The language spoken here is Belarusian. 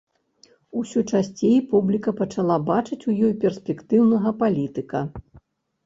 Усё часцей публіка пачала бачыць у ёй перспектыўнага палітыка.